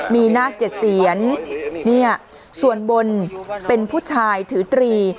มีนาค๗เสียนเนี่ยส่วนบนเป็นผู้ชายถือตรี